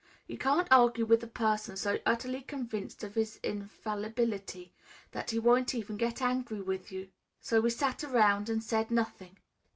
You can't argue with a person so utterly convinced of his infallibility that he won't even get angry with you; so we sat round and said nothing.